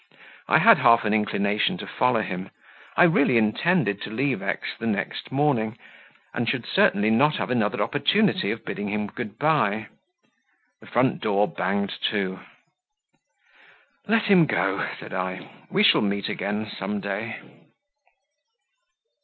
I had half an inclination to follow him: I really intended to leave X the next morning, and should certainly not have another opportunity of bidding him good bye. The front door banged to. "Let him go," said I, "we shall meet again some day."